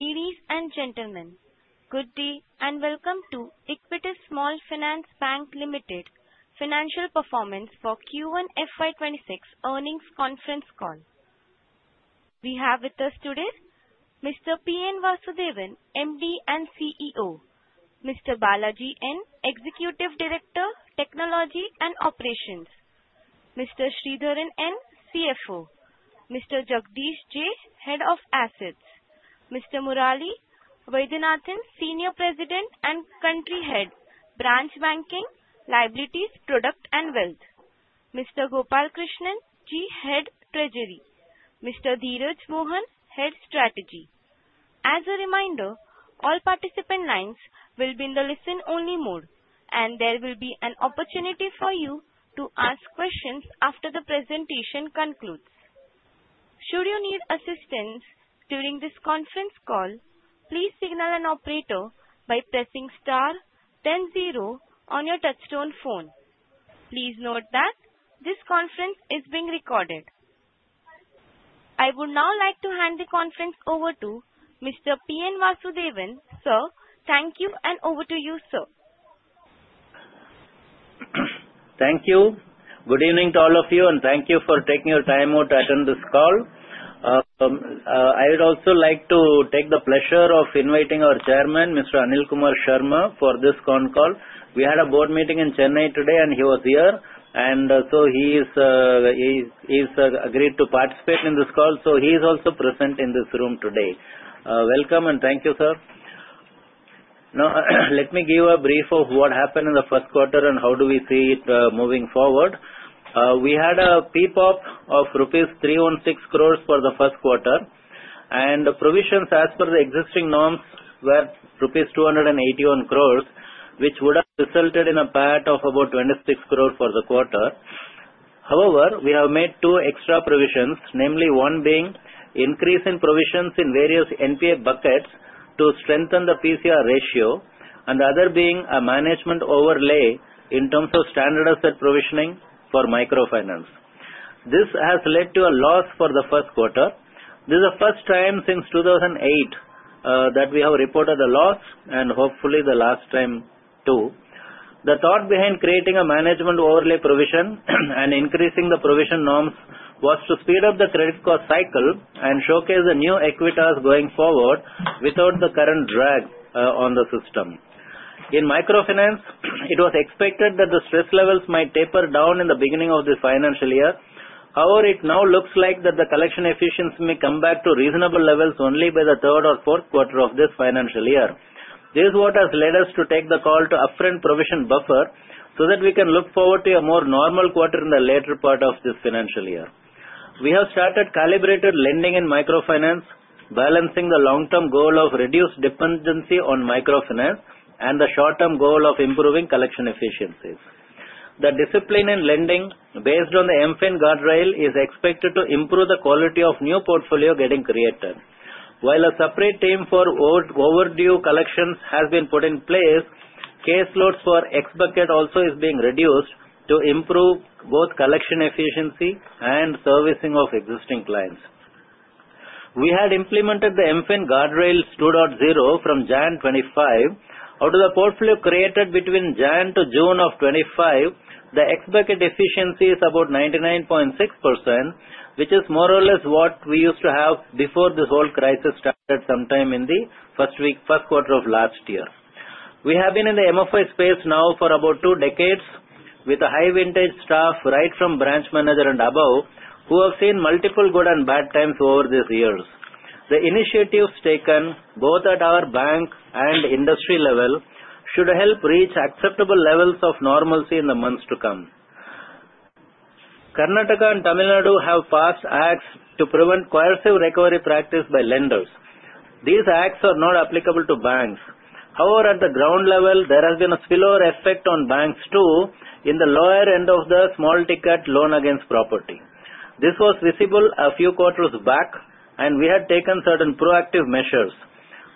Ladies and gentlemen, good day and welcome to Equitas Small Finance Bank Limited's Financial Performance for Q1 FY26 Earnings Conference Call. We have with us today: Mr. P. N. Vasudevan, MD and CEO; Mr. Balaji N., Executive Director, Technology and Operations; Mr. Sridharan N., CFO; Mr. Jagdeep J., Head of Assets; Mr. Murali Vaidyanathan, Senior President and Country Head, Branch Banking, Liabilities, Product and Wealth; Mr. Gopalakrishna, Group Head Treasury; Mr. Dheeraj Mohan, Head Strategy. As a reminder, all participant lines will be in the listen-only mode, and there will be an opportunity for you to ask questions after the presentation concludes. Should you need assistance during this conference call, please signal an operator by pressing *100 on your touchtone phone. Please note that this conference is being recorded. I would now like to hand the conference over to Mr. P. N. Vasudevan. Sir, thank you, and over to you, sir. Thank you. Good evening to all of you, and thank you for taking your time out to attend this call. I would also like to take the pleasure of inviting our Chairman, Mr. Anil Kumar Sharma, for this phone call. We had a board meeting in Chennai today, and he was here, and so he has agreed to participate in this call, so he is also present in this room today. Welcome, and thank you, sir. Now, let me give a brief of what happened in the first quarter and how do we see it moving forward. We had a PPOP of rupees 316 crores for the first quarter, and the provisions as per the existing norms were rupees 281 crores, which would have resulted in a PAT of about 26 crores for the quarter. However, we have made two extra provisions, namely one being increase in provisions in various NPA buckets to strengthen the PCR ratio, and the other being a management overlay in terms of standard asset provisioning for microfinance. This has led to a loss for the first quarter. This is the first time since 2008 that we have reported a loss, and hopefully the last time too. The thought behind creating a management overlay provision and increasing the provision norms was to speed up the credit cost cycle and showcase the new Equitas going forward without the current drag on the system. In microfinance, it was expected that the stress levels might taper down in the beginning of this financial year. However, it now looks like that the collection efficiency may come back to reasonable levels only by the third or fourth quarter of this financial year. This is what has led us to take the call to upfront provision buffer so that we can look forward to a more normal quarter in the later part of this financial year. We have started calibrated lending in microfinance, balancing the long-term goal of reduced dependency on microfinance and the short-term goal of improving collection efficiencies. The discipline in lending based on the MFIN Guardrails is expected to improve the quality of new portfolio getting created. While a separate team for overdue collections has been put in place, case loads for X Bucket also are being reduced to improve both collection efficiency and servicing of existing clients. We had implemented the MFIN Guardrails 2.0 from January 2025. Out of the portfolio created between January to June of 2025, the X bucket efficiency is about 99.6%, which is more or less what we used to have before this whole crisis started sometime in the first quarter of last year. We have been in the MFI space now for about two decades with a high-vintage staff right from branch manager and above, who have seen multiple good and bad times over these years. The initiatives taken both at our bank and industry level should help reach acceptable levels of normalcy in the months to come. Karnataka and Tamil Nadu have passed acts to prevent coercive recovery practice by lenders. These acts are not applicable to banks. However, at the ground level, there has been a slower effect on banks too in the lower end of the small-ticket loan against property. This was visible a few quarters back, and we had taken certain proactive measures.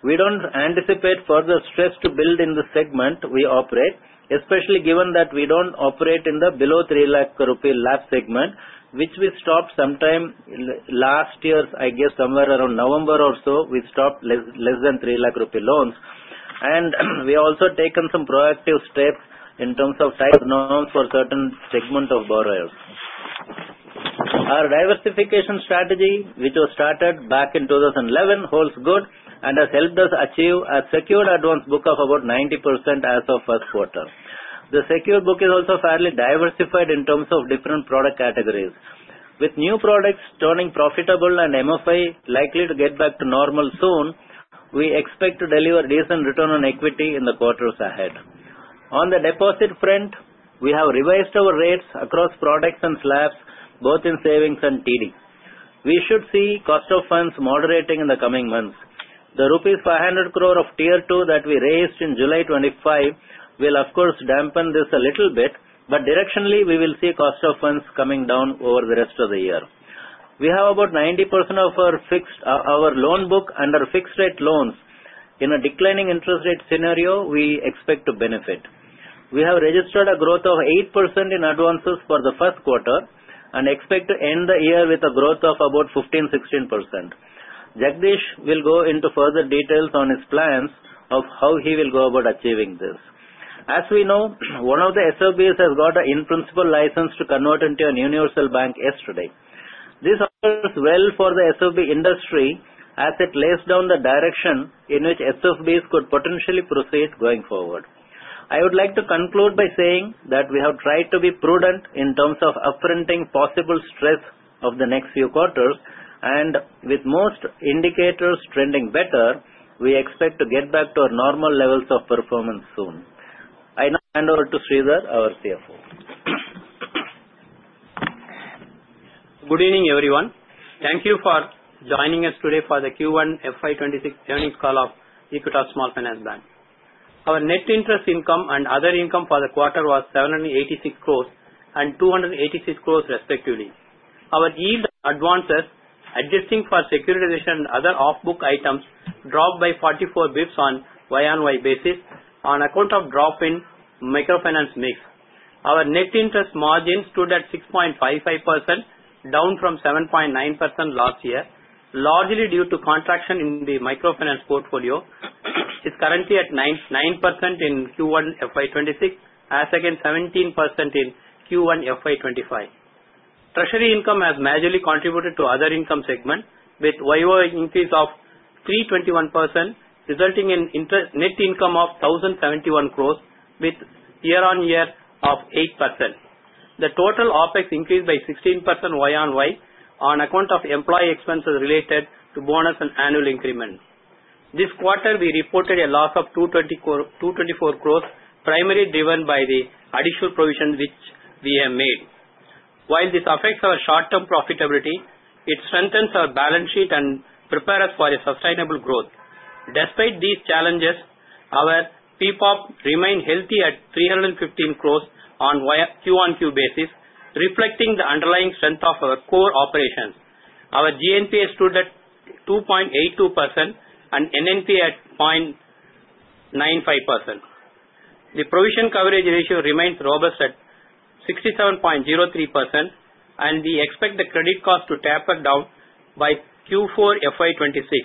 We don't anticipate further stress to build in the segment we operate, especially given that we don't operate in the below ₹3 lakh loan segment, which we stopped sometime last year, I guess somewhere around November or so. We stopped less than ₹3 lakh loans, and we also taken some proactive steps in terms of tightening norms for certain segments of borrowers. Our diversification strategy, which was started back in 2011, holds good and has helped us achieve a secured advance book of about 90% as of first quarter. The secured book is also fairly diversified in terms of different product categories. With new products turning profitable and MFI likely to get back to normal soon, we expect to deliver decent return on equity in the quarters ahead. On the deposit front, we have revised our rates across products and slabs, both in savings and TD. We should see cost of funds moderating in the coming months. The ₹500 crore of tier two that we raised in July 2025 will, of course, dampen this a little bit, but directionally, we will see cost of funds coming down over the rest of the year. We have about 90% of our loan book under fixed-rate loans. In a declining interest rate scenario, we expect to benefit. We have registered a growth of 8% in advances for the first quarter and expect to end the year with a growth of about 15-16%. Jagdeep will go into further details on his plans of how he will go about achieving this. As we know, one of the SFBs has got an in-principle license to convert into a universal bank yesterday. This offers well for the SFB industry as it lays down the direction in which SFBs could potentially proceed going forward. I would like to conclude by saying that we have tried to be prudent in terms of upfronting possible stress of the next few quarters, and with most indicators trending better, we expect to get back to our normal levels of performance soon. I now hand over to Sridhar, our CFO. Good evening, everyone. Thank you for joining us today for the Q1 FY26 earnings call of Equitas Small Finance Bank. Our net interest income and other income for the quarter was 786 crores and 286 crores, respectively. Our yield advances, adjusting for securitization and other off-book items, dropped by 44 basis points on Y-on-Y basis on account of drop in microfinance mix. Our net interest margin stood at 6.55%, down from 7.9% last year, largely due to contraction in the microfinance portfolio. It's currently at 9% in Q1 FY26, as against 17% in Q1 FY25. Treasury income has majorly contributed to other income segment, with YoY increase of 321%, resulting in net income of 1,071 crores, with year-on-year of 8%. The total OPEX increased by 16% Y-on-Y on account of employee expenses related to bonus and annual increment. This quarter, we reported a loss of 224 crores, primarily driven by the additional provisions which we have made. While this affects our short-term profitability, it strengthens our balance sheet and prepares us for sustainable growth. Despite these challenges, our PPOP remained healthy at 315 crores on Q-on-Q basis, reflecting the underlying strength of our core operations. Our GNPA stood at 2.82% and NNPA at 0.95%. The provision coverage ratio remained robust at 67.03%, and we expect the credit cost to taper down by Q4 FY26.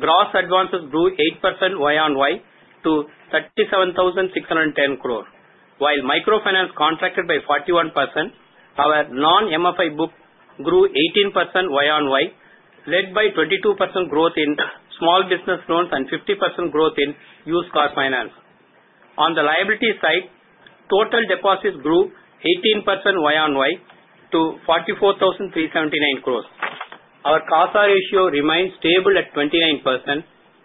Gross advances grew 8% Y-on-Y to 37,610 crores, while microfinance contracted by 41%. Our non-MFI book grew 18% Y-on-Y, led by 22% growth in small business loans and 50% growth in used CV finance. On the liability side, total deposits grew 18% Y-on-Y to 44,379 crores. Our CASA ratio remained stable at 29%,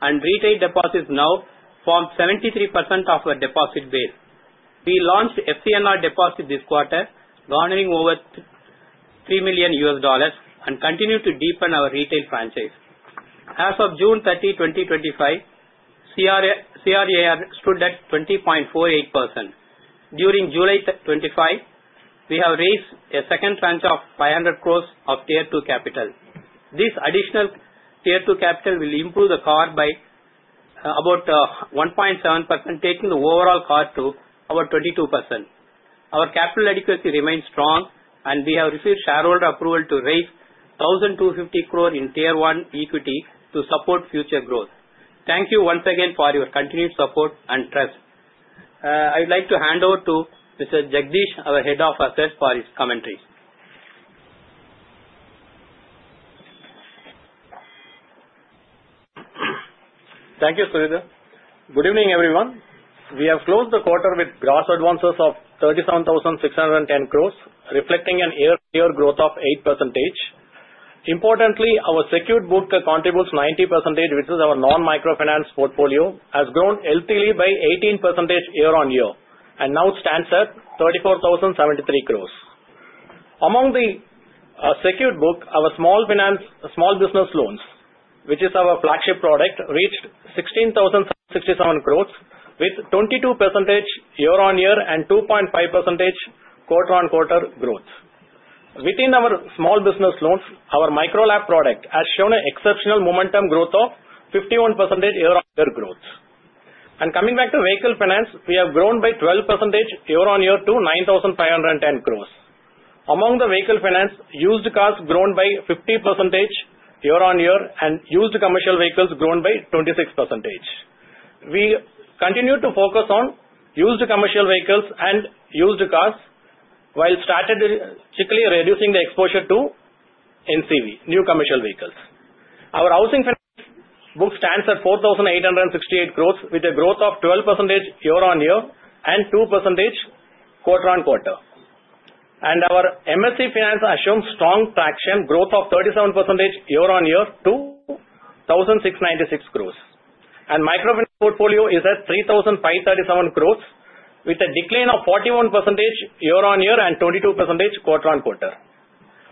and retail deposits now form 73% of our deposit base. We launched FCNR deposits this quarter, garnering over $3 million, and continue to deepen our retail franchise. As of June 30, 2025, CRAR stood at 20.48%. During July 25, we have raised a second tranche of ₹500 crores of tier two capital. This additional tier two capital will improve the CAR by about 1.7%, taking the overall CAR to about 22%. Our capital adequacy remains strong, and we have received shareholder approval to raise ₹1,250 crores in tier one equity to support future growth. Thank you once again for your continued support and trust. I would like to hand over to Mr. Jagdeep, our Head of Assets, for his commentaries. Thank you, Sridhar. Good evening, everyone. We have closed the quarter with gross advances of 37,610 crores, reflecting an earlier growth of 8%. Importantly, our secured book contributes 90%, which is our non-microfinance portfolio, has grown healthily by 18% year-on-year, and now stands at 34,073 crores. Among the secured book, our small business loans, which is our flagship product, reached 16,067 crores, with 22% year-on-year and 2.5% quarter-on-quarter growth. Within our small business loans, our Micro LAP product has shown an exceptional momentum growth of 51% year-on-year growth. Coming back to vehicle finance, we have grown by 12% year-on-year to 9,510 crores. Among the vehicle finance, used cars grown by 50% year-on-year, and used commercial vehicles grown by 26%. We continue to focus on used commercial vehicles and used cars while strategically reducing the exposure to NCV, new commercial vehicles. Our housing book stands at 4,868 crores, with a growth of 12% year-on-year and 2% quarter-on-quarter. Our MSE Finance has shown strong traction, growth of 37% year-on-year to 1,696 crores. Microfinance portfolio is at 3,537 crores, with a decline of 41% year-on-year and 22% quarter-on-quarter.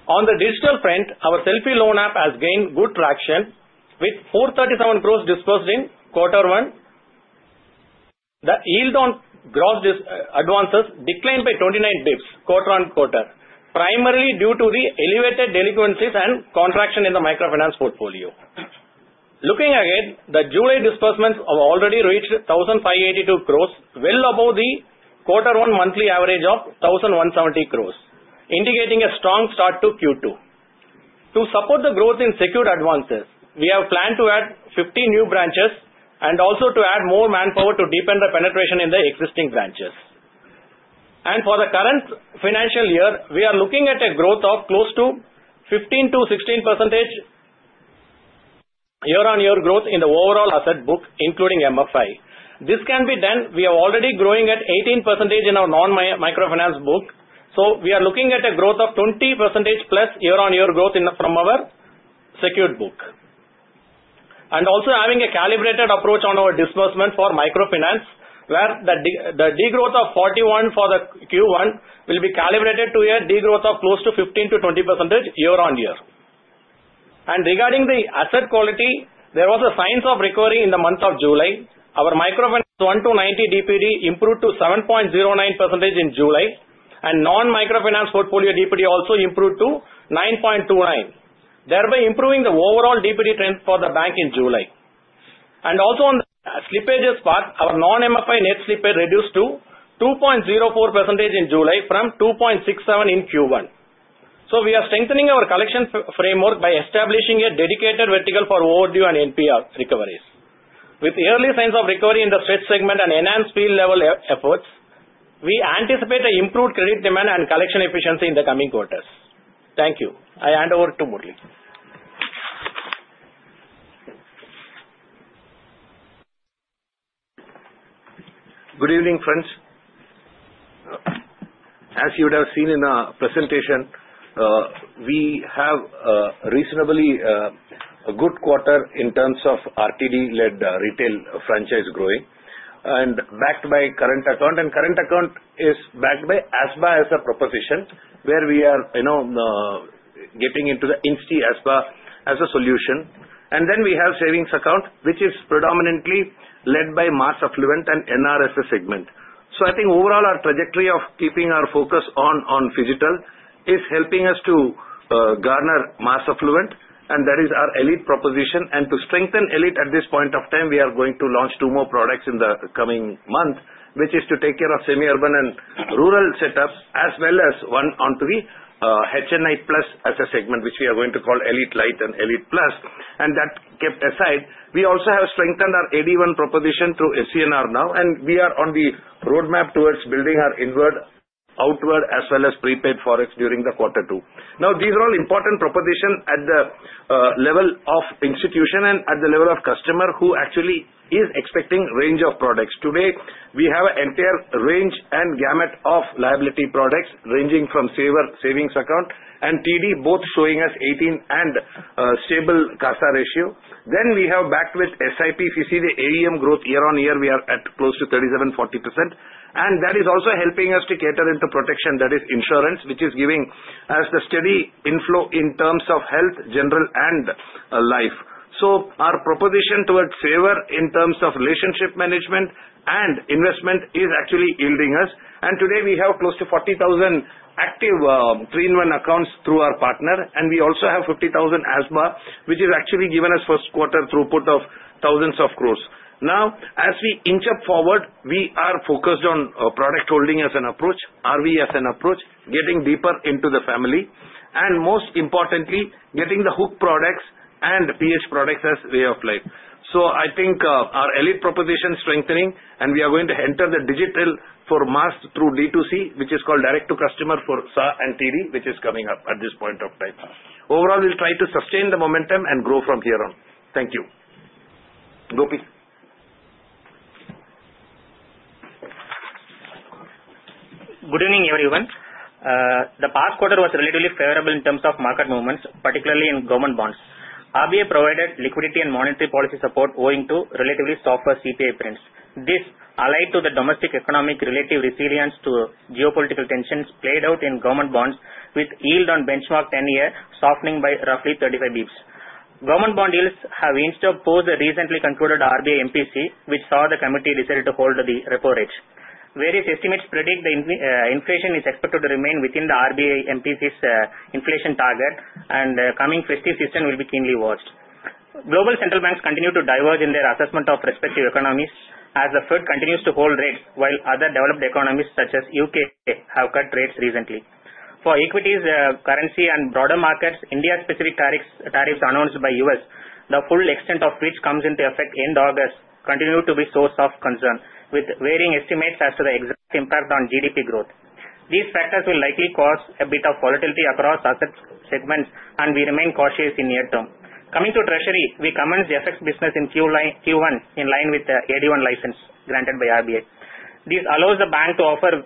On the digital front, our Selfe loan app has gained good traction, with 437 crores disbursed in quarter one. The yield on gross advances declined by 29 basis points quarter-on-quarter, primarily due to the elevated delinquencies and contraction in the microfinance portfolio. Looking ahead, the July disbursements have already reached 1,582 crores, well above the quarter-one monthly average of 1,170 crores, indicating a strong start to Q2. To support the growth in secured advances, we have planned to add 50 new branches and also to add more manpower to deepen the penetration in the existing branches. For the current financial year, we are looking at a growth of close to 15%-16% year-on-year growth in the overall asset book, including MFI. This can be done. We are already growing at 18% in our non-microfinance book, so we are looking at a growth of 20% plus year-on-year growth from our secured book. And also having a calibrated approach on our disbursement for microfinance, where the degrowth of 41% for Q1 will be calibrated to a degrowth of close to 15%-20% year-on-year. And regarding the asset quality, there was a sign of recovery in the month of July. Our microfinance 1-90 DPD improved to 7.09% in July, and non-microfinance portfolio DPD also improved to 9.29%, thereby improving the overall DPD trend for the bank in July. Also on the slippages part, our non-MFI net slippage reduced to 2.04% in July from 2.67% in Q1. We are strengthening our collection framework by establishing a dedicated vertical for overdue and NPA recoveries. With early signs of recovery in the SME segment and enhanced field-level efforts, we anticipate an improved credit demand and collection efficiency in the coming quarters. Thank you. I hand over to Murali. Good evening, friends. As you would have seen in the presentation, we have reasonably a good quarter in terms of RTD-led retail franchise growing, and backed by current account, and current account is backed by ASBA as a proposition, where we are getting into the Insta ASBA as a solution, and then we have savings account, which is predominantly led by mass affluent and NRIs segment, so I think overall our trajectory of keeping our focus on phygital is helping us to garner mass affluent, and that is our Elite proposition, and to strengthen Elite at this point of time, we are going to launch two more products in the coming month, which is to take care of semi-urban and rural setups, as well as one onto the HNI Plus asset segment, which we are going to call Elite Lite and Elite Plus. And that kept aside, we also have strengthened our AD1 proposition through FCNR now, and we are on the roadmap towards building our inward, outward, as well as prepaid forex during the quarter two. Now, these are all important propositions at the level of institution and at the level of customer who actually is expecting a range of products. Today, we have an entire range and gamut of liability products ranging from saver savings account and TD, both showing us 18% and stable CASA ratio. Then we have backed with SIP. If you see the AUM growth year-on-year, we are at close to 37%-40%, and that is also helping us to cater into protection, that is insurance, which is giving us the steady inflow in terms of health, general, and life. So our proposition towards saver in terms of relationship management and investment is actually yielding us. And today, we have close to 40,000 active 3-in-1 accounts through our partner, and we also have 50,000 ASBA, which has actually given us first quarter throughput of thousands of crores. Now, as we inch up forward, we are focused on product holding as an approach, RV as an approach, getting deeper into the family, and most importantly, getting the hook products and phygital products as a way of life. So I think our Elite proposition is strengthening, and we are going to enter the digital for mass through D2C, which is called direct-to-customer for SA and TD, which is coming up at this point of time. Overall, we'll try to sustain the momentum and grow from here on. Thank you. Good evening, everyone. The past quarter was relatively favorable in terms of market movements, particularly in government bonds. RBI provided liquidity and monetary policy support owing to relatively softer CPI prints. This allied to the domestic economic relative resilience to geopolitical tensions played out in government bonds, with yield on benchmark 10-year softening by roughly 35 basis points. Government bond yields have inched up post the recently concluded RBI MPC, which saw the committee decided to hold the repo rate. Various estimates predict the inflation is expected to remain within the RBI MPC's inflation target, and the coming fiscal season will be keenly watched. Global central banks continue to diverge in their assessment of respective economies, as the Fed continues to hold rates, while other developed economies, such as the U.K., have cut rates recently. For equities, currency, and broader markets, India-specific tariffs announced by the U.S., the full extent of which comes into effect end August, continue to be a source of concern, with varying estimates as to the exact impact on GDP growth. These factors will likely cause a bit of volatility across asset segments, and we remain cautious in the near term. Coming to treasury, we commence the FX business in Q1 in line with the AD1 license granted by RBI. This allows the bank to offer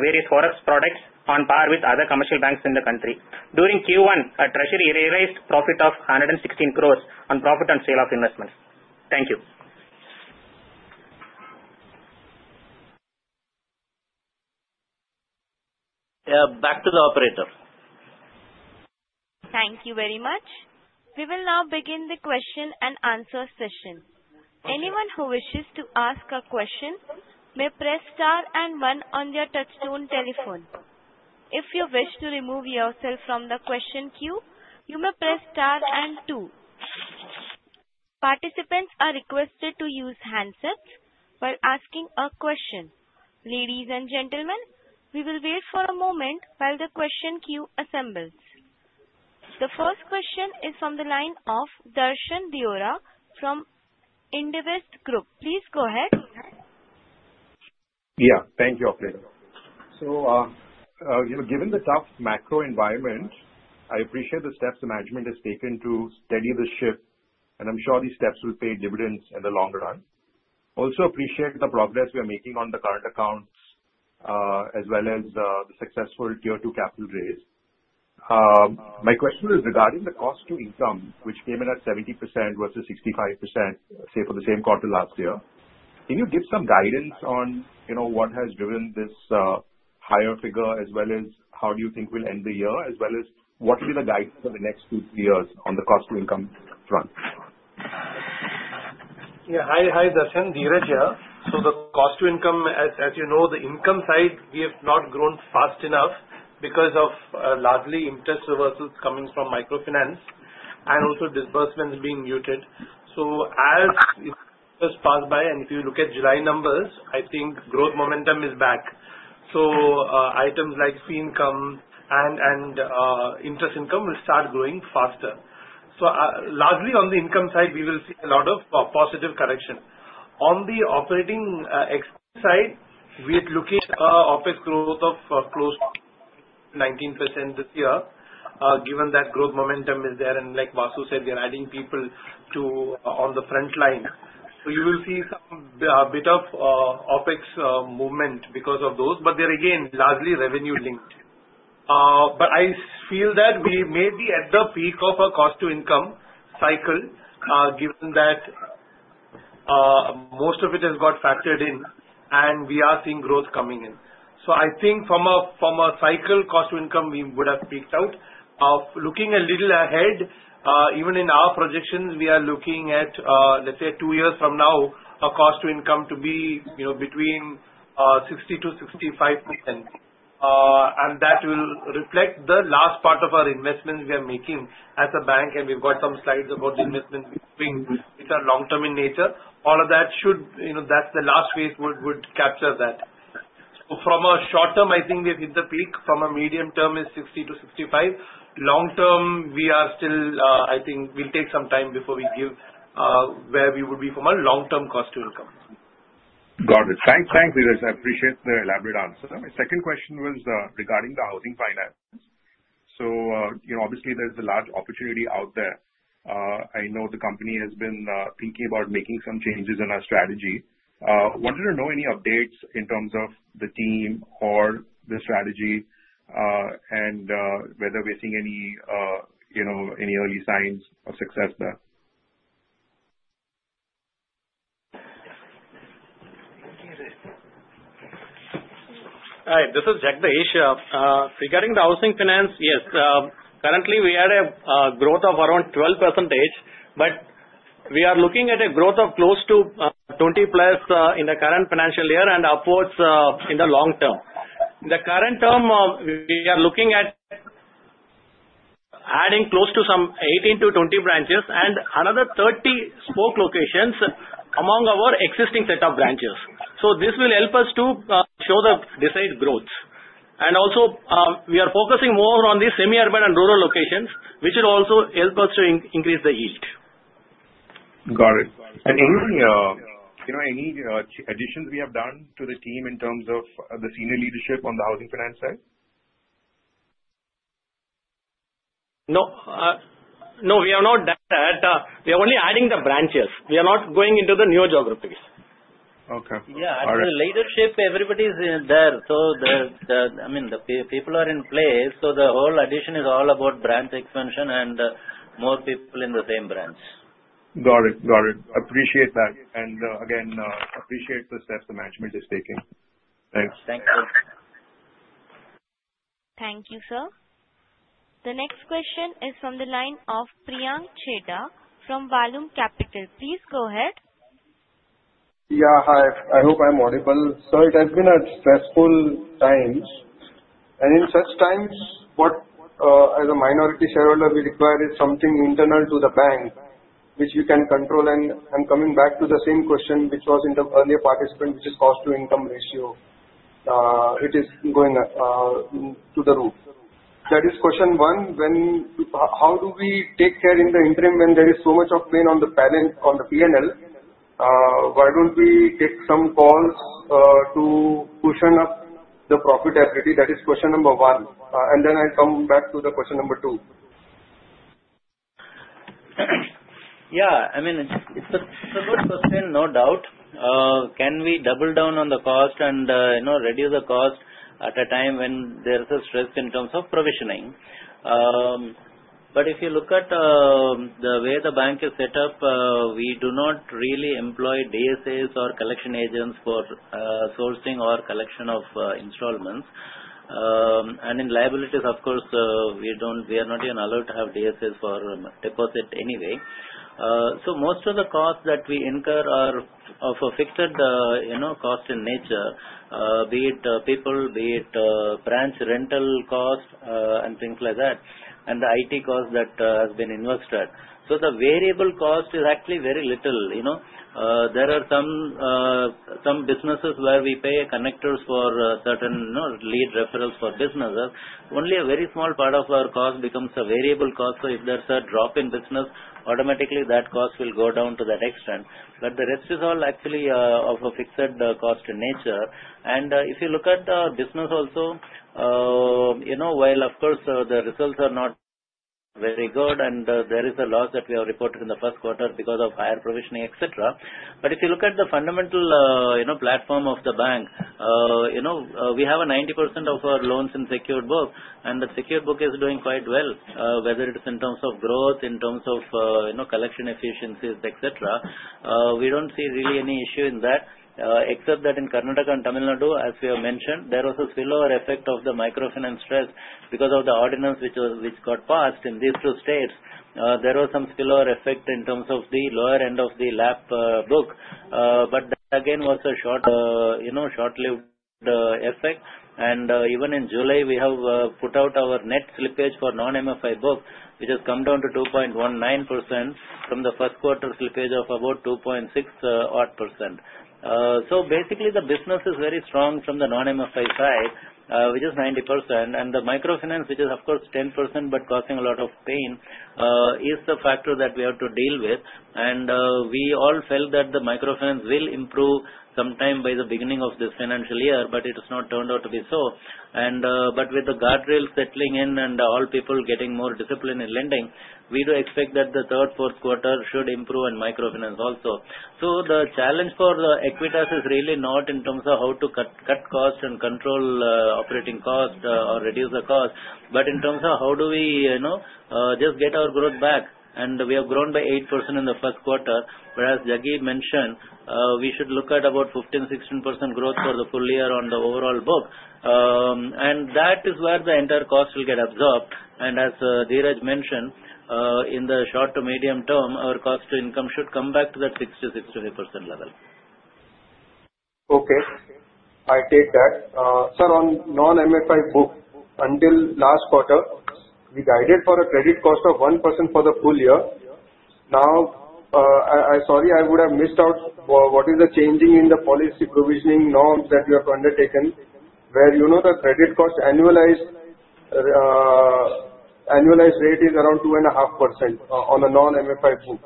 various forex products on par with other commercial banks in the country. During Q1, treasury realized profit of INR 116 crores on profit and sale of investments. Thank you. Back to the operator. Thank you very much. We will now begin the question and answer session. Anyone who wishes to ask a question may press star and one on their touchtone telephone. If you wish to remove yourself from the question queue, you may press star and two. Participants are requested to use handsets while asking a question. Ladies and gentlemen, we will wait for a moment while the question queue assembles. The first question is from the line of Darshan Deora from Indvest Group. Please go ahead. Yeah, thank you, operator. So, given the tough macro environment, I appreciate the steps the management has taken to steady the ship, and I'm sure these steps will pay dividends in the long run. Also appreciate the progress we are making on the current accounts, as well as the successful tier two capital raise. My question is regarding the cost to income, which came in at 70% versus 65%, say, for the same quarter last year. Can you give some guidance on what has driven this higher figure, as well as how do you think we'll end the year, as well as what will be the guidance for the next two to three years on the cost to income front? Yeah, hi Darshan, Dheeraj here. So the cost to income, as you know, the income side, we have not grown fast enough because of largely interest reversals coming from microfinance and also disbursements being muted. So as it has passed by, and if you look at July numbers, I think growth momentum is back. So items like fee income and interest income will start growing faster. So largely on the income side, we will see a lot of positive correction. On the operating side, we are looking at an OPEX growth of close to 19% this year, given that growth momentum is there, and like Vasu said, we are adding people on the front line. So you will see some bit of OPEX movement because of those, but they're again largely revenue-linked. But I feel that we may be at the peak of a cost to income cycle, given that most of it has got factored in, and we are seeing growth coming in. So I think from a cycle cost to income, we would have peaked out. Looking a little ahead, even in our projections, we are looking at, let's say, two years from now, a cost to income to be between 60%-65%. And that will reflect the last part of our investments we are making as a bank, and we've got some slides about the investments we are doing, which are long-term in nature. All of that should, that's the last phase would capture that. So from a short term, I think we have hit the peak. From a medium term, it's 60%-65%. Long-term, we are still, I think we'll take some time before we give where we would be from a long-term cost to income. Got it. Thanks, Dheeraj. I appreciate the elaborate answer. My second question was regarding the housing finance. So obviously, there's a large opportunity out there. I know the company has been thinking about making some changes in our strategy. I wanted to know any updates in terms of the team or the strategy and whether we're seeing any early signs of success there. Hi, this is Jagdeep here. Regarding the housing finance, yes, currently we had a growth of around 12%, but we are looking at a growth of close to 20% plus in the current financial year and upwards in the long term. In the current term, we are looking at adding close to some 18-20 branches and another 30 spoke locations among our existing set of branches. So this will help us to show the desired growth. And also, we are focusing more on the semi-urban and rural locations, which will also help us to increase the yield. Got it. And any additions we have done to the team in terms of the senior leadership on the housing finance side? No. No, we are not that. We are only adding the branches. We are not going into the new geographies. Okay. Yeah, at the leadership, everybody's there. So I mean, the people are in place, so the whole addition is all about branch expansion and more people in the same branch. Got it. Got it. Appreciate that. And again, appreciate the steps the management is taking. Thanks. Thank you. Thank you, sir. The next question is from the line of Priyank Chheda from Vallum Capital. Please go ahead. Yeah, hi. I hope I'm audible. So it has been a stressful time. And in such times, as a minority shareholder, we require something internal to the bank, which we can control. And I'm coming back to the same question, which was in the earlier participant, which is cost to income ratio. It is going to the root. That is question one. How do we take care in the interim when there is so much of pain on the P&L? Why don't we take some calls to cushion up the profitability? That is question number one. And then I'll come back to the question number two. Yeah, I mean, it's a good question, no doubt. Can we double down on the cost and reduce the cost at a time when there is a stress in terms of provisioning? But if you look at the way the bank is set up, we do not really employ DSAs or collection agents for sourcing or collection of installments. And in liabilities, of course, we are not even allowed to have DSAs for deposit anyway. So most of the costs that we incur are of a fixed cost in nature, be it people, be it branch rental cost and things like that, and the IT cost that has been invested. So the variable cost is actually very little. There are some businesses where we pay connectors for certain lead referrals for businesses. Only a very small part of our cost becomes a variable cost. If there's a drop in business, automatically that cost will go down to that extent. But the rest is all actually of a fixed cost in nature. And if you look at the business also, while, of course, the results are not very good, and there is a loss that we have reported in the first quarter because of higher provisioning, etc. But if you look at the fundamental platform of the bank, we have 90% of our loans in secured book, and the secured book is doing quite well, whether it's in terms of growth, in terms of collection efficiencies, etc. We don't see really any issue in that, except that in Karnataka and Tamil Nadu, as we have mentioned, there was a spillover effect of the microfinance stress because of the ordinance which got passed in these two states. There was some spillover effect in terms of the lower end of the LAP book. But that, again, was a short-lived effect. And even in July, we have put out our net slippage for non-MFI book, which has come down to 2.19% from the first quarter slippage of about 2.68%. So basically, the business is very strong from the non-MFI side, which is 90%. And the microfinance, which is, of course, 10% but causing a lot of pain, is the factor that we have to deal with. And we all felt that the microfinance will improve sometime by the beginning of this financial year, but it has not turned out to be so. But with the guardrails settling in and all people getting more disciplined in lending, we do expect that the third, fourth quarter should improve in microfinance also. So the challenge for Equitas is really not in terms of how to cut cost and control operating cost or reduce the cost, but in terms of how do we just get our growth back. And we have grown by 8% in the first quarter, whereas Jaggi mentioned we should look at about 15%-16% growth for the full year on the overall book. And that is where the entire cost will get absorbed. And as Dheeraj mentioned, in the short to medium term, our cost to income should come back to that 60%-65% level. Okay. I take that. Sir, on non-MFI book, until last quarter, we guided for a credit cost of 1% for the full year. Now, I'm sorry, I would have missed out. What is the change in the policy provisioning norms that you have undertaken, where the credit cost annualized rate is around 2.5% on a non-MFI book?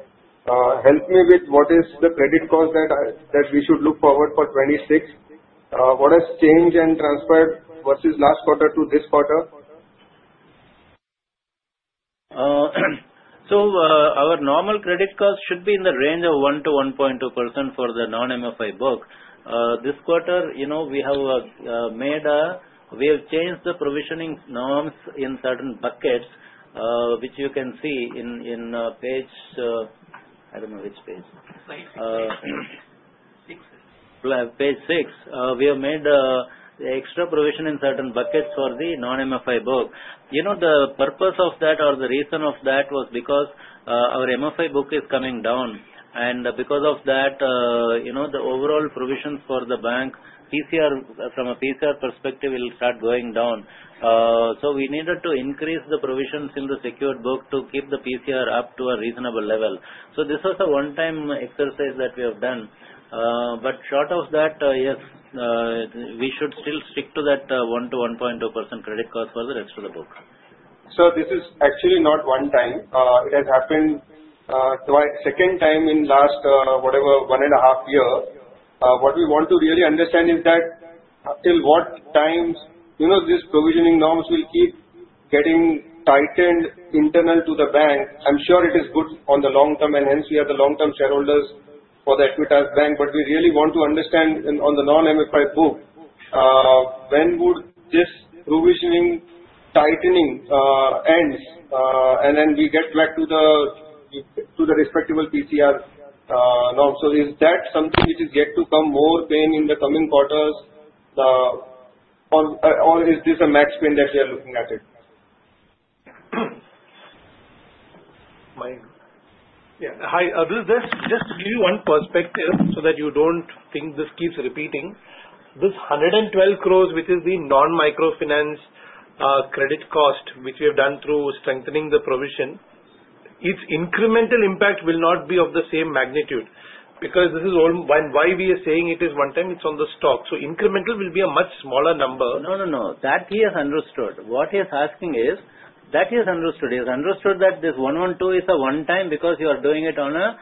Help me with what is the credit cost that we should look forward for 26? What has changed and transpired versus last quarter to this quarter? So our normal credit cost should be in the range of 1%-1.2% for the non-MFI book. This quarter, we have changed the provisioning norms in certain buckets, which you can see in page, I don't know which page. Page six. We have made extra provision in certain buckets for the non-MFI book. The purpose of that or the reason of that was because our MFI book is coming down. And because of that, the overall provisions for the bank, from a PCR perspective, will start going down. So we needed to increase the provisions in the secured book to keep the PCR up to a reasonable level. So this was a one-time exercise that we have done. But short of that, yes, we should still stick to that 1%-1.2% credit cost for the rest of the book. Sir, this is actually not one time. It has happened a second time in the last whatever one and a half years. What we want to really understand is that until what time these provisioning norms will keep getting tightened internally to the bank. I'm sure it is good in the long term, and hence we have the long-term shareholders for the Equitas Bank. But we really want to understand on the non-MFI book, when would this provisioning tightening end, and then we get back to the respectable PCR norm? So is that something which is yet to come more pain in the coming quarters, or is this a max pain that you are looking at it? Yeah. Hi. Just give you one perspective so that you don't think this keeps repeating. This 112 crores, which is the non-microfinance credit cost, which we have done through strengthening the provision, its incremental impact will not be of the same magnitude. Because this is why we are saying it is one time, it's on the stock. So incremental will be a much smaller number. No, no, no. That he has understood. What he is asking is that he has understood. He has understood that this 112 is a one-time because you are doing it on a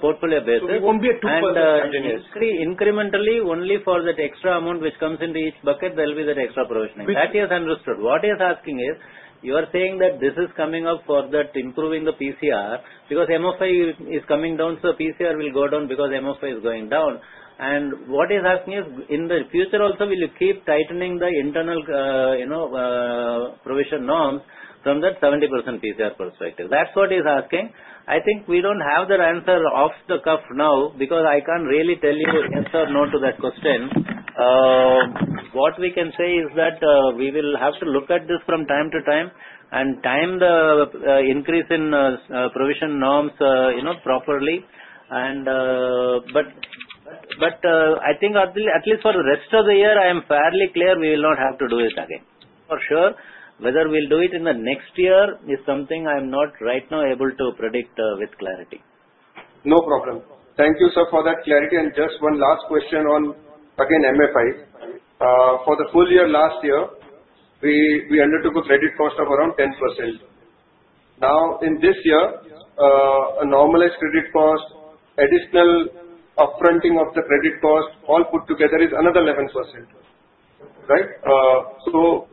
portfolio basis. It won't be a two-month continuous. Basically, incrementally, only for that extra amount which comes into each bucket, there will be that extra provisioning. That he has understood. What he is asking is, you are saying that this is coming up for that improving the PCR because MFI is coming down, so PCR will go down because MFI is going down. And what he is asking is, in the future also, will you keep tightening the internal provision norms from that 70% PCR perspective? That's what he is asking. I think we don't have the answer off the cuff now because I can't really tell you yes or no to that question. What we can say is that we will have to look at this from time to time and time the increase in provision norms properly. But I think at least for the rest of the year, I am fairly clear we will not have to do it again. For sure, whether we'll do it in the next year is something I am not right now able to predict with clarity. No problem. Thank you, sir, for that clarity. And just one last question on, again, MFI. For the full year last year, we undertook a credit cost of around 10%. Now, in this year, a normalized credit cost, additional upfronting of the credit cost, all put together is another 11%. Right? So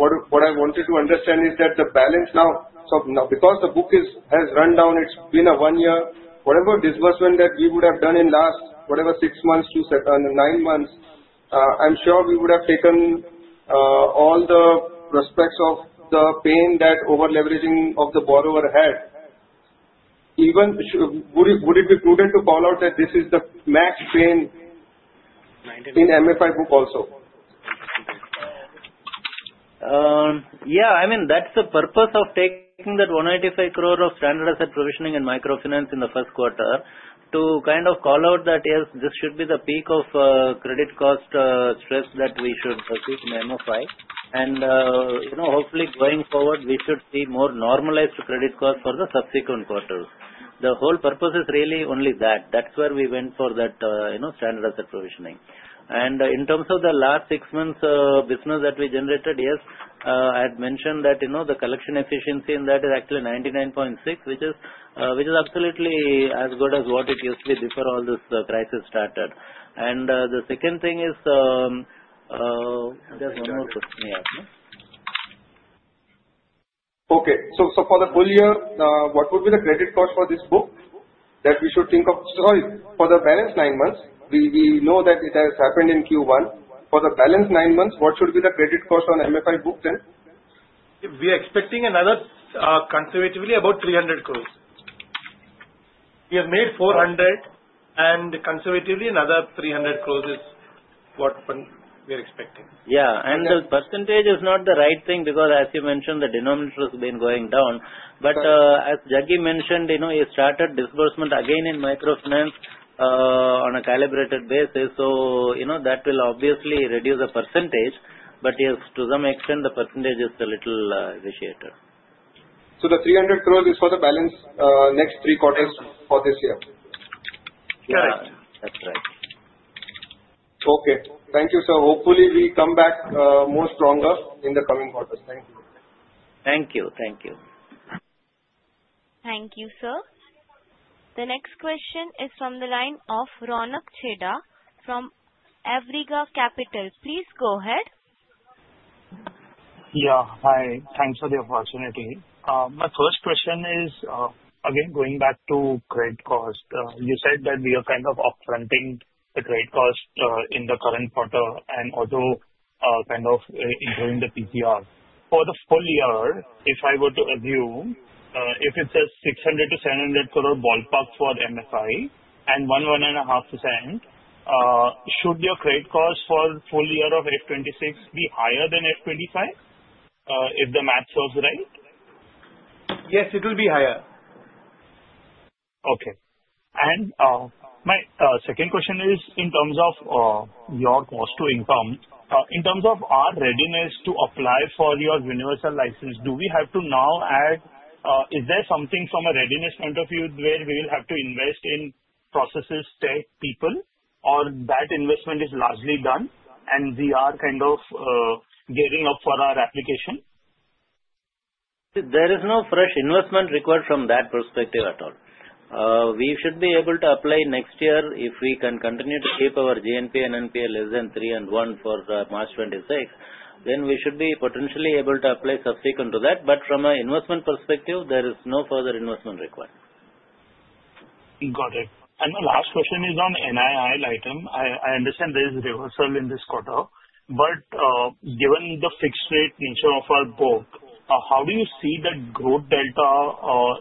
what I wanted to understand is that the balance. Now, because the book has run down, it's been a one-year, whatever disbursement that we would have done in last, whatever, six months to nine months, I'm sure we would have taken all the prospects of the pain that over-leveraging of the borrower had. Would it be prudent to call out that this is the max pain in MFI book also? Yeah. I mean, that's the purpose of taking that 185 crore of standard asset provisioning in microfinance in the first quarter to kind of call out that, yes, this should be the peak of credit cost stress that we should perceive in MFI. And hopefully, going forward, we should see more normalized credit cost for the subsequent quarters. The whole purpose is really only that. That's where we went for that standard asset provisioning. And in terms of the last six months' business that we generated, yes, I had mentioned that the collection efficiency in that is actually 99.6%, which is absolutely as good as what it used to be before all this crisis started. And the second thing is, just one more question you have. Okay. So for the full year, what would be the credit cost for this book that we should think of? Sorry, for the balance nine months, we know that it has happened in Q1. For the balance nine months, what should be the credit cost on MFI book then? We are expecting another conservatively about 300 crores. We have made 400, and conservatively, another 300 crores is what we are expecting. Yeah, and the percentage is not the right thing because, as you mentioned, the denominator has been going down, but as Jagdeep mentioned, he started disbursement again in microfinance on a calibrated basis, so that will obviously reduce the percentage, but yes, to some extent, the percentage is a little appreciated. The 300 crores is for the balance next three quarters for this year. Correct. That's right. Okay. Thank you, sir. Hopefully, we come back more stronger in the coming quarters. Thank you. Thank you. Thank you. Thank you, sir. The next question is from the line of Ronak Chheda from Awriga Capital. Please go ahead. Yeah. Hi. Thanks for the opportunity. My first question is, again, going back to credit cost, you said that we are kind of upfronting the credit cost in the current quarter and also kind of improving the PCR. For the full year, if I were to assume, if it's 600-700 crore ballpark for MFI and 1-1.5%, should your credit cost for the full year of FY26 be higher than FY25? If the math shows right? Yes, it will be higher. Okay. And my second question is in terms of your cost to income, in terms of our readiness to apply for your universal license, do we have to now add? Is there something from a readiness point of view where we will have to invest in processes, tech, people, or that investment is largely done and we are kind of gearing up for our application? There is no fresh investment required from that perspective at all. We should be able to apply next year if we can continue to keep our GNPA and NPA less than three and one for March 2026. Then we should be potentially able to apply subsequent to that. But from an investment perspective, there is no further investment required. Got it. And my last question is on NII item. I understand there is reversal in this quarter. But given the fixed rate nature of our book, how do you see that growth delta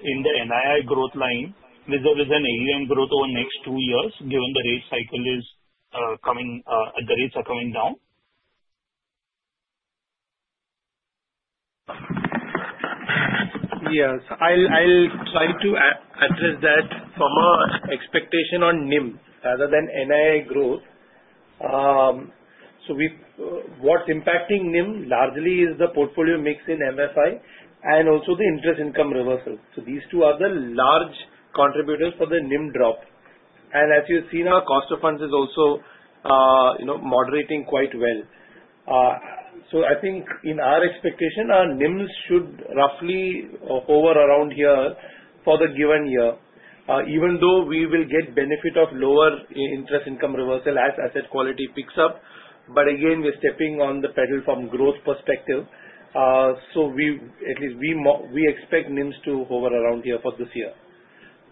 in the NII growth line with an AUM growth over the next two years given the rate cycle is coming at the rates are coming down? Yes. I'll try to address that from our expectation on NIM rather than NII growth. So what's impacting NIM largely is the portfolio mix in MFI and also the interest income reversal. So these two are the large contributors for the NIM drop. And as you've seen, our cost of funds is also moderating quite well. So I think in our expectation, our NIMs should roughly hover around here for the given year, even though we will get benefit of lower interest income reversal as asset quality picks up. But again, we're stepping on the pedal from growth perspective. So at least we expect NIMs to hover around here for this year.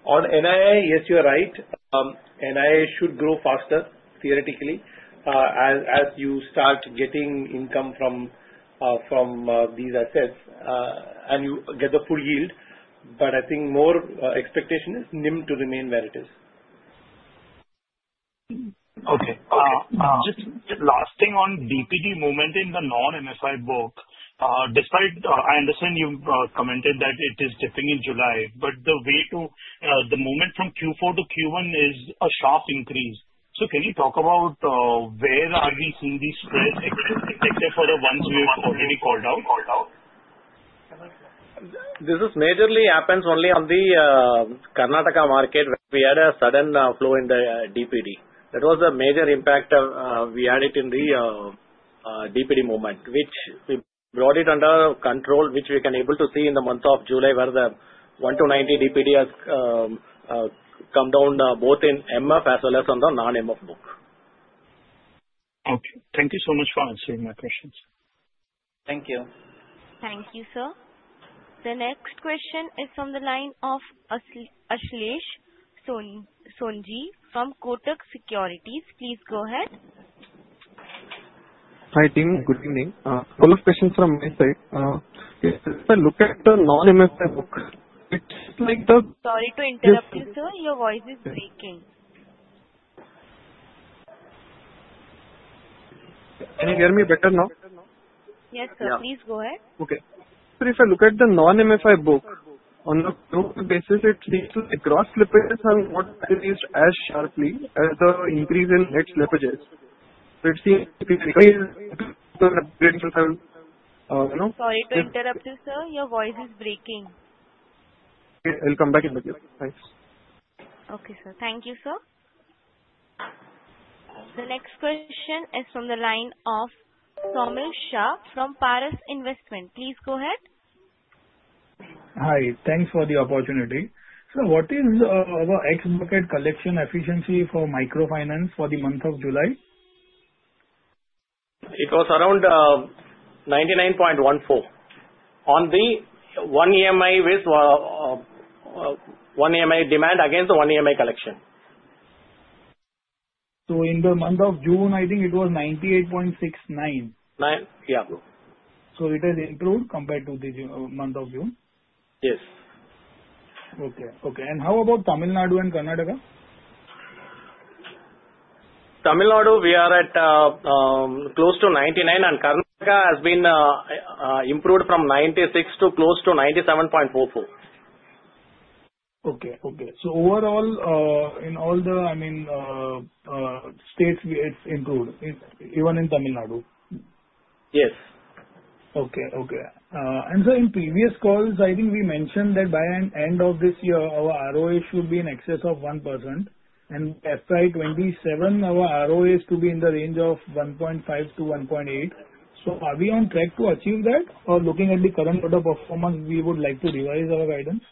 On NII, yes, you're right. NII should grow faster, theoretically, as you start getting income from these assets and you get the full yield. But I think more expectation is NIM to remain where it is. Okay. Just last thing on DPD movement in the non-MFI book. I understand you commented that it is dipping in July, but the movement from Q4 to Q1 is a sharp increase. So can you talk about where are we seeing these spreads except for the ones we have already called out? This majorly happens only on the Karnataka market where we had a sudden flow in the DPD. That was the major impact we had it in the DPD movement, which we brought it under control, which we can be able to see in the month of July where the 1-90 DPD has come down both in MF as well as on the non-MF book. Okay. Thank you so much for answering my questions. Thank you. Thank you, sir. The next question is from the line of Ashlesh Sonje from Kotak Securities. Please go ahead. Hi, team. Good evening. Follow-up question from my side. If I look at the non-MFI book, it's like the. Sorry to interrupt you, sir. Your voice is breaking. Can you hear me better now? Yes, sir. Please go ahead. Okay, so if I look at the non-MFI book, on a quick basis, it seems like the gross slippages have not increased as sharply as the increase in net slippages, so it seems to be an upgrade. Sorry to interrupt you, sir. Your voice is breaking. Okay. I'll come back in a bit. Thanks. Okay, sir. Thank you, sir. The next question is from the line of Saumil Shah from Paras Investments. Please go ahead. Hi. Thanks for the opportunity. So what is our X-bucket collection efficiency for microfinance for the month of July? It was around 99.14 on the one EMI with one EMI demand against the one EMI collection. In the month of June, I think it was 98.69%. Yeah. So it has improved compared to the month of June? Yes. Okay. Okay. And how about Tamil Nadu and Karnataka? Tamil Nadu, we are at close to 99, and Karnataka has been improved from 96 to close to 97.44. Okay. Okay. So overall, in all the, I mean, states, it's improved, even in Tamil Nadu? Yes. Okay. Okay. And so, in previous calls, I think we mentioned that by the end of this year, our ROA should be in excess of 1%. And FY27, our ROA is to be in the range of 1.5%-1.8%. So are we on track to achieve that? Or looking at the current quarter performance, we would like to revise our guidance?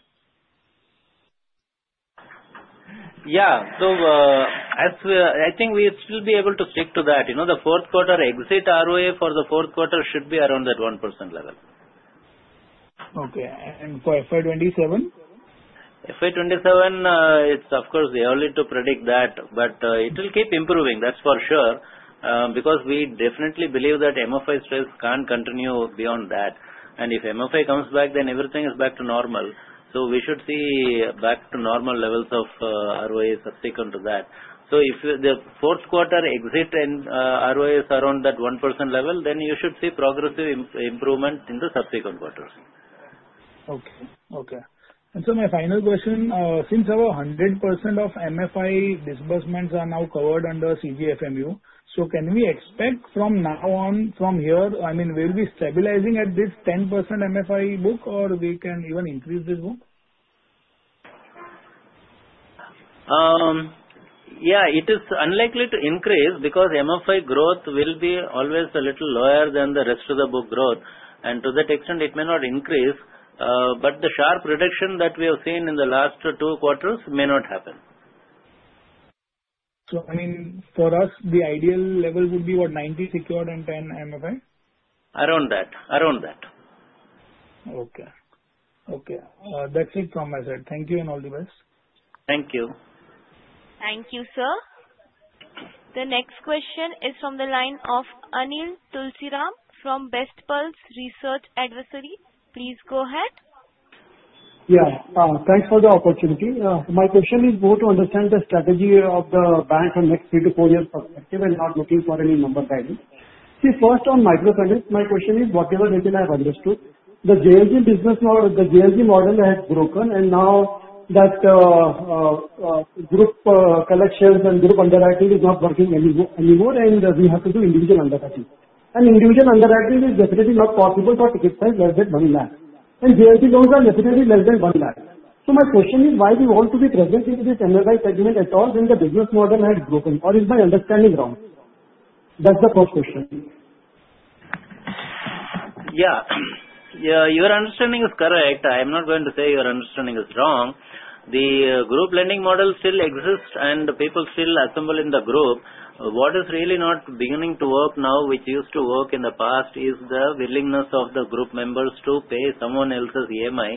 Yeah. So I think we should be able to stick to that. The fourth quarter exit ROA for the fourth quarter should be around that 1% level. Okay. And for FY27? FY27, it's, of course, too early to predict that. But it will keep improving. That's for sure. Because we definitely believe that MFI stress can't continue beyond that. And if MFI comes back, then everything is back to normal. So we should see back to normal levels of ROA subsequent to that. So if the fourth quarter exit and ROA is around that 1% level, then you should see progressive improvement in the subsequent quarters. Okay. And so, my final question, since our 100% of MFI disbursements are now covered under CGFMU, so can we expect from now on, from here, I mean, will we be stabilizing at this 10% MFI book, or we can even increase this book? Yeah. It is unlikely to increase because MFI growth will be always a little lower than the rest of the book growth. And to that extent, it may not increase. But the sharp reduction that we have seen in the last two quarters may not happen. I mean, for us, the ideal level would be what, 90 secured and 10 MFI? Around that. Okay. Okay. That's it from my side. Thank you and all the best. Thank you. Thank you, sir. The next question is from the line of Anil Tulsiram from Best Pulse Research Advisory. Please go ahead. Yeah. Thanks for the opportunity. My question is more to understand the strategy of the bank from next three to four years' perspective and not looking for any number guidance. See, first, on microfinance, my question is, whatever rate I have understood, the JLG business model, the JLG model has broken. And now that group collections and group underwriting is not working anymore, and we have to do individual underwriting. And individual underwriting is definitely not possible for ticket size less than one lakh. And JLG loans are definitely less than one lakh. So my question is, why do you want to be present in this MFI segment at all when the business model has broken? Or is my understanding wrong? That's the first question. Yeah. Your understanding is correct. I'm not going to say your understanding is wrong. The group lending model still exists, and the people still assemble in the group. What is really not beginning to work now, which used to work in the past, is the willingness of the group members to pay someone else's EMI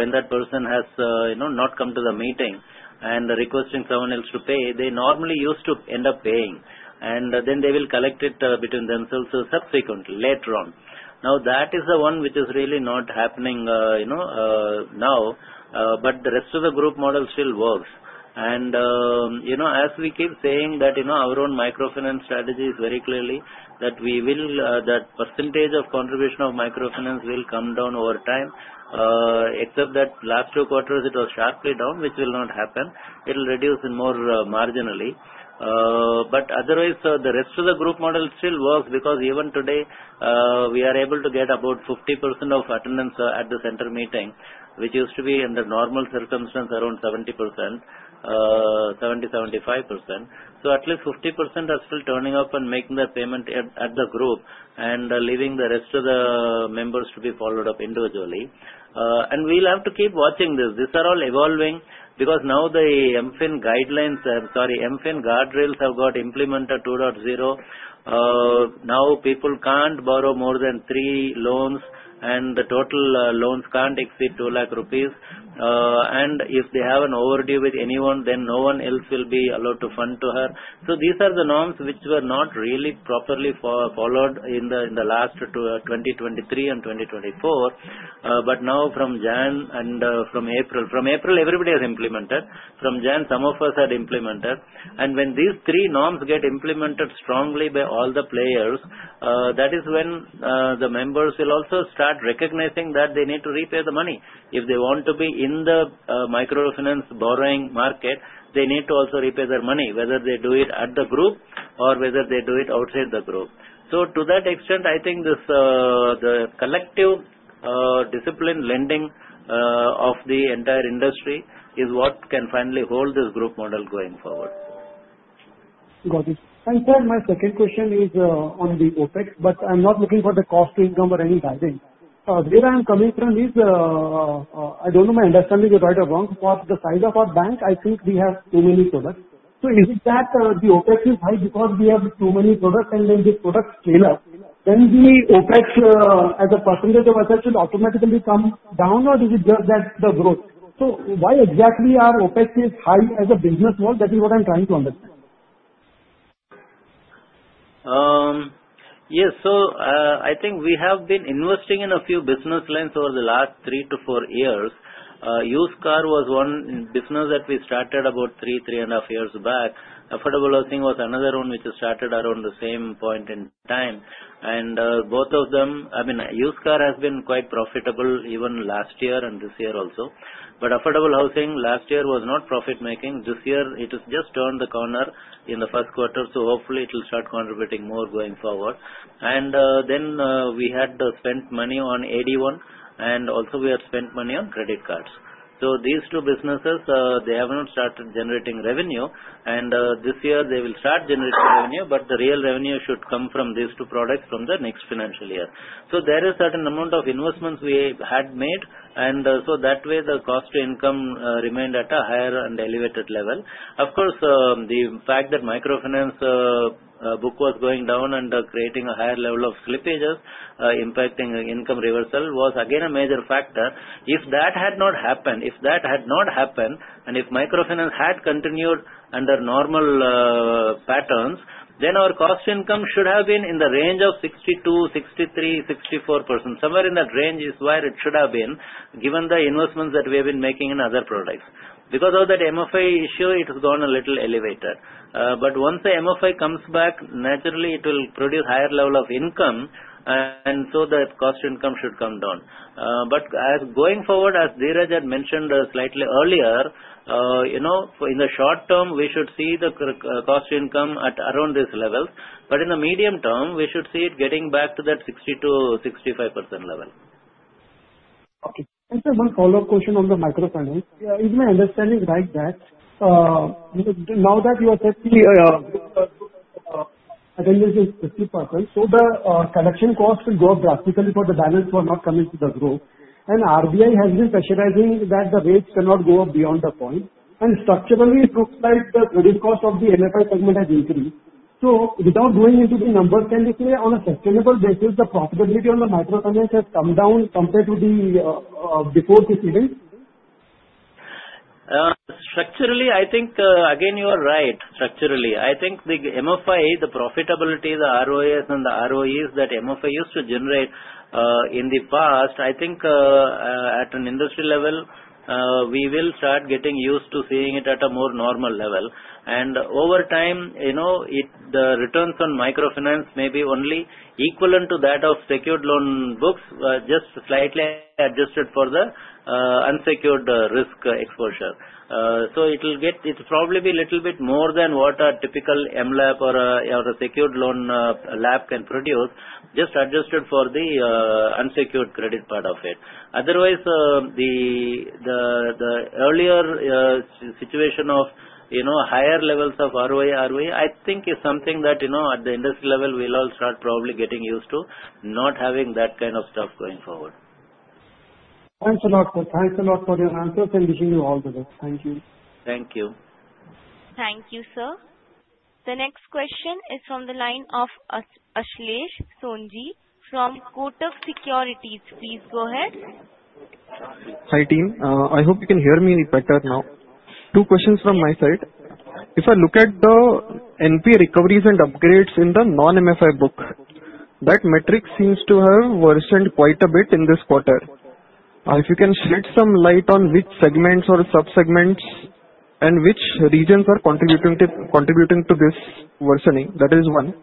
when that person has not come to the meeting and requesting someone else to pay. They normally used to end up paying. And then they will collect it between themselves subsequently, later on. Now, that is the one which is really not happening now. But the rest of the group model still works. And as we keep saying that our own microfinance strategy is very clearly that we will that percentage of contribution of microfinance will come down over time. Except that last two quarters, it was sharply down, which will not happen. It will reduce more marginally. But otherwise, the rest of the group model still works because even today, we are able to get about 50% of attendance at the center meeting, which used to be under normal circumstances around 70%-75%. So at least 50% are still turning up and making their payment at the group and leaving the rest of the members to be followed up individually. And we'll have to keep watching this. These are all evolving because now the MFIN guidelines, sorry, MFIN guardrails, have got implemented 2.0. Now people can't borrow more than three loans, and the total loans can't exceed 200,000 rupees. And if they have an overdue with anyone, then no one else will be allowed to fund to her. So these are the norms which were not really properly followed in the last 2023 and 2024. But now, from January and from April, from April, everybody has implemented. From January, some of us had implemented. And when these three norms get implemented strongly by all the players, that is when the members will also start recognizing that they need to repay the money. If they want to be in the microfinance borrowing market, they need to also repay their money, whether they do it at the group or whether they do it outside the group. So to that extent, I think the collective discipline lending of the entire industry is what can finally hold this group model going forward. Got it. And sir, my second question is on the OPEX, but I'm not looking for the cost to income or any guidance. Where I'm coming from is I don't know my understanding is right or wrong. For the size of our bank, I think we have too many products. So is it that the OPEX is high because we have too many products and then the products fail us? Then the OPEX, as a percentage of assets, will automatically come down, or is it just that the growth? So why exactly are OPEXs high as a business model? That is what I'm trying to understand. Yes. So I think we have been investing in a few business lines over the last three to four years. Used car was one business that we started about three, three and a half years back. Affordable housing was another one which started around the same point in time. And both of them, I mean, used car has been quite profitable even last year and this year also. But affordable housing last year was not profit-making. This year, it has just turned the corner in the first quarter. So hopefully, it will start contributing more going forward. And then we had spent money on AD1, and also we had spent money on credit cards. So these two businesses, they have not started generating revenue. And this year, they will start generating revenue, but the real revenue should come from these two products from the next financial year. So there is a certain amount of investments we had made. And so that way, the Cost to Income remained at a higher and elevated level. Of course, the fact that microfinance book was going down and creating a higher level of slippages impacting income reversal was again a major factor. If that had not happened, if that had not happened, and if microfinance had continued under normal patterns, then our Cost to Income should have been in the range of 62%-64%. Somewhere in that range is where it should have been, given the investments that we have been making in other products. Because of that MFI issue, it has gone a little elevated. But once the MFI comes back, naturally, it will produce a higher level of income, and so the Cost to Income should come down. Going forward, as Dheeraj had mentioned slightly earlier, in the short term, we should see the cost to income at around these levels. In the medium term, we should see it getting back to that 62%-65% level. Okay. And sir, one follow-up question on the microfinance. Is my understanding right that now that you are safely attending this particular purpose, so the collection cost will go up drastically for the balance who are not coming to the group? And RBI has been pressurizing that the rates cannot go up beyond that point. And structurally, it looks like the credit cost of the MFI segment has increased. So without going into the numbers, can we say on a sustainable basis, the profitability on the microfinance has come down compared to before this event? Structurally, I think, again, you are right. Structurally, I think the MFI, the profitability, the ROAs, and the ROEs that MFI used to generate in the past, I think at an industry level, we will start getting used to seeing it at a more normal level, and over time, the returns on microfinance may be only equivalent to that of secured loan books, just slightly adjusted for the unsecured risk exposure, so it will probably be a little bit more than what a typical MLAP or a secured loan LAP can produce, just adjusted for the unsecured credit part of it. Otherwise, the earlier situation of higher levels of ROI, ROE, I think is something that at the industry level, we'll all start probably getting used to not having that kind of stuff going forward. Thanks a lot, sir. Thanks a lot for your answers, and wishing you all the best. Thank you. Thank you. Thank you, sir. The next question is from the line of Ashlesh Sonje from Kotak Securities. Please go ahead. Hi team. I hope you can hear me better now. Two questions from my side. If I look at the NPA recoveries and upgrades in the non-MFI book, that metric seems to have worsened quite a bit in this quarter. If you can shed some light on which segments or subsegments and which regions are contributing to this worsening, that is one.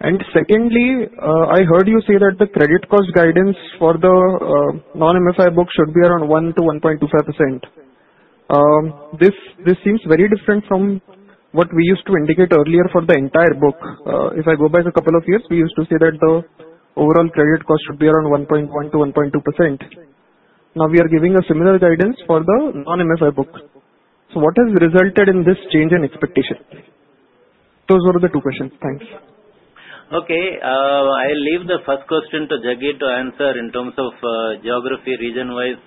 And secondly, I heard you say that the credit cost guidance for the non-MFI book should be around 1-1.25%. This seems very different from what we used to indicate earlier for the entire book. If I go back a couple of years, we used to say that the overall credit cost should be around 1.1-1.2%. Now we are giving a similar guidance for the non-MFI book. So what has resulted in this change in expectation? Those were the two questions. Thanks. Okay. I'll leave the first question to Jagdeep to answer in terms of geography, region-wise,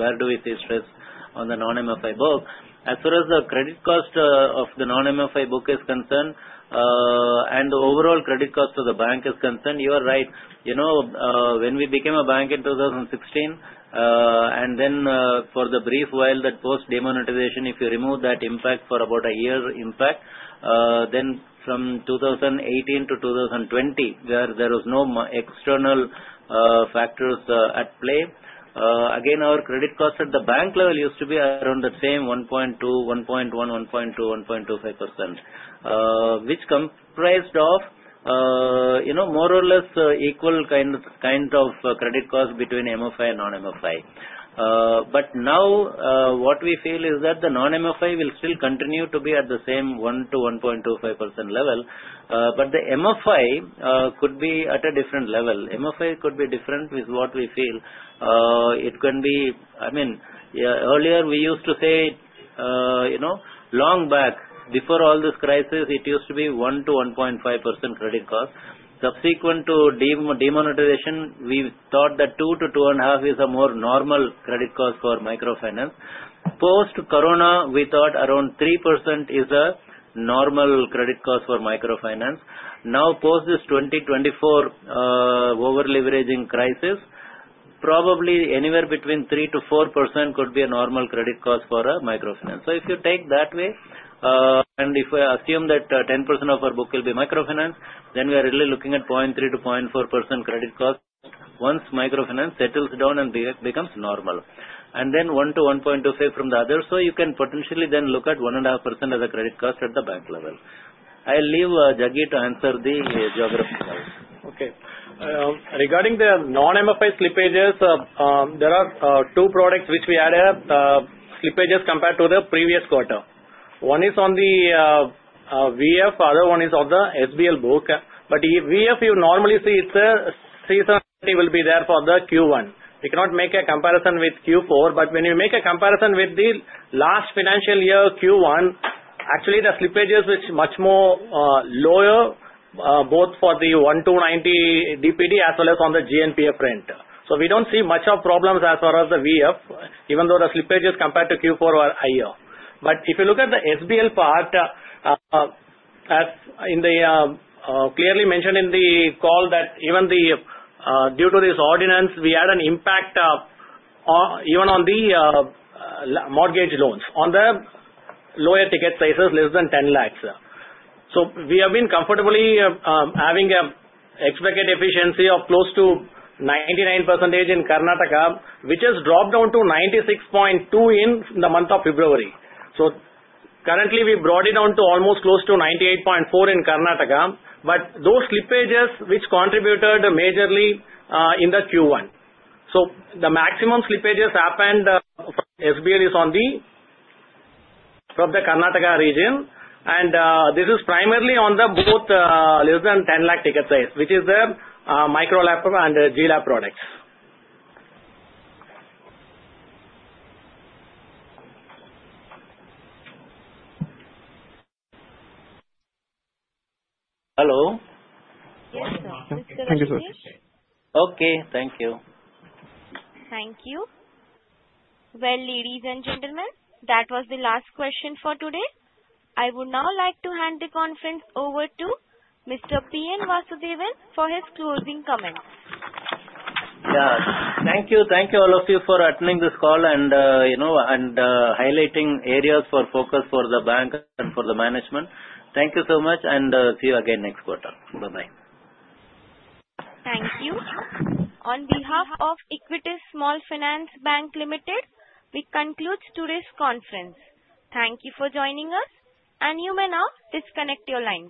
where do we see stress on the non-MFI book. As far as the credit cost of the non-MFI book is concerned and the overall credit cost of the bank is concerned, you are right. When we became a bank in 2016, and then for the brief while that post-demonetization, if you remove that impact for about a year impact, then from 2018 to 2020, there was no external factors at play. Again, our credit cost at the bank level used to be around the same 1.2%, 1.1%, 1.2%, 1.25%, which comprised of more or less equal kind of credit cost between MFI and non-MFI. But now what we feel is that the non-MFI will still continue to be at the same 1-1.25% level. But the MFI could be at a different level. MFI could be different with what we feel. It can be—I mean, earlier we used to say long back, before all this crisis, it used to be 1-1.5% credit cost. Subsequent to demonetization, we thought that 2-2.5% is a more normal credit cost for microfinance. Post-Corona, we thought around 3% is a normal credit cost for microfinance. Now, post this 2024 over-leveraging crisis, probably anywhere between 3-4% could be a normal credit cost for a microfinance. So if you take that way, and if we assume that 10% of our book will be microfinance, then we are really looking at 0.3-0.4% credit cost once microfinance settles down and becomes normal. And then 1-1.25% from the other. So you can potentially then look at 1.5% as a credit cost at the bank level. I'll leave Jaggi to answer the geography part. Okay. Regarding the non-MFI slippages, there are two products which we added slippages compared to the previous quarter. One is on the VF, the other one is on the SBL book. But VF, you normally see its seasonality will be there for the Q1. We cannot make a comparison with Q4, but when we make a comparison with the last financial year, Q1, actually the slippages were much more lower, both for the 90 DPD as well as on the GNPA rate. So we don't see much of problems as far as the VF, even though the slippages compared to Q4 were higher. But if you look at the SBL part, as clearly mentioned in the call, that even due to this ordinance, we had an impact even on the mortgage loans on the lower ticket prices less than 10 lakhs. So we have been comfortably having an expected efficiency of close to 99% in Karnataka, which has dropped down to 96.2% in the month of February. So currently, we brought it down to almost close to 98.4% in Karnataka. But those slippages which contributed majorly in the Q1. So the maximum slippages happened from SBL is on the Karnataka region. And this is primarily on the both less than 10 lakh ticket size, which is the Micro LAP and GLAP products. Hello? Yes, sir. Thank you, sir. Okay. Thank you. Thank you. Ladies and gentlemen, that was the last question for today. I would now like to hand the conference over to Mr. P. N. Vasudevan for his closing comments. Yeah. Thank you. Thank you all of you for attending this call and highlighting areas for focus for the bank and for the management. Thank you so much, and see you again next quarter. Bye-bye. Thank you. On behalf of Equitas Small Finance Bank Limited, we conclude today's conference. Thank you for joining us, and you may now disconnect your lines.